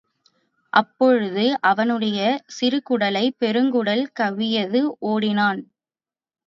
அப்பொழுது அவனுடைய சிறுகுடலைப் பெருங்குடல் கவ்வியது, ஓடினான்.